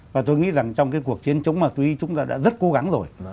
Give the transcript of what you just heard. và tôi nghĩ rằng trong cuộc chiến chống ma tí chúng ta đã rất cố gắng rồi